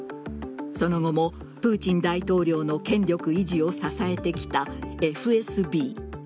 その後もプーチン大統領の権力維持を支えてきたＦＳＢ。